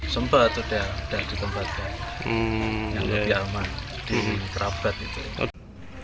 sempat udah udah di tempat yang lebih aman di kerabat gitu